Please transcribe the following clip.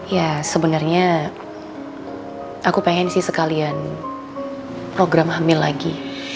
ya sebenarnya aku pengen sih sekalian program hamil lagi